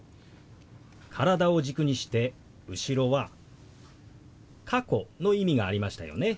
体を軸にして後ろは「過去」の意味がありましたよね。